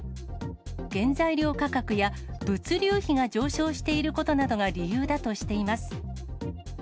原材料価格や物流費が上昇していることなどが理由だとしています。